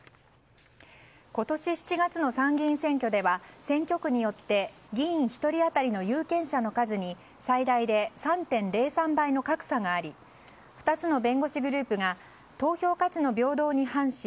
今年７月の参議院選挙では選挙区によって議員１人当たりの有権者の数に最大で３．０３倍の格差があり２つの弁護士グループが投票価値の平等に反し